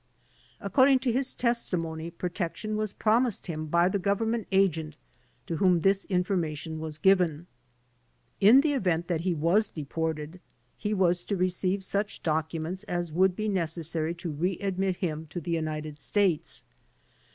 According to his testimony, protection was promised him by the Gov ernment Agent to whom this information was given. In the event that he was deported he was to receive such documents as would be necessary to re admit him to the United States.